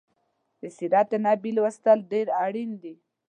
د سیرت النبي لوستل ډیر اړین دي